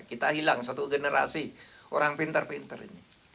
kita hilang satu generasi orang pintar pintar ini